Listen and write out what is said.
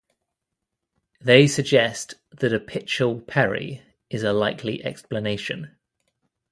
They suggest that a Pichal Peri is a likely explanation.